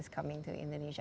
yang datang ke indonesia